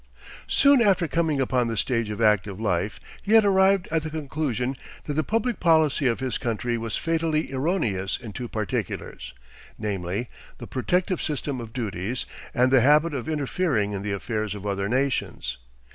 Soon after coming upon the stage of active life, he had arrived at the conclusion that the public policy of his country was fatally erroneous in two particulars, namely, the protective system of duties, and the habit of interfering in the affairs of other nations.